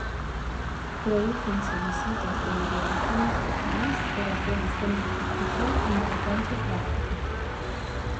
Prodúcense visitas de delegacións de civís pero apenas ten repercusión e importancia práctica.